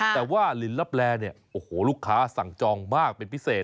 แต่ว่าลินลับแลเนี่ยโอ้โหลูกค้าสั่งจองมากเป็นพิเศษ